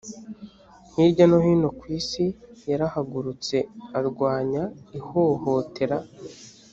hirya no hino ku isi yarahagurutse arwanya ihohotera